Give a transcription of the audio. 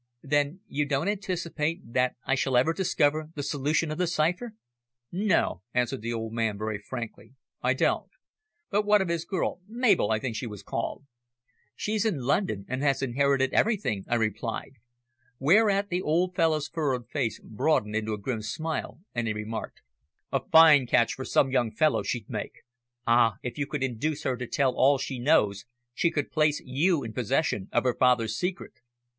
"Then you don't anticipate that I shall ever discover the solution of the cipher?" "No," answered the old man, very frankly, "I don't. But what of his girl Mabel, I think she was called?" "She's in London and has inherited everything," I replied; whereat the old fellow's furrowed face broadened into a grim smile, and he remarked "A fine catch for some young fellow, she'd make. Ah! if you could induce her to tell all she knows she could place you in possession of her father's secret."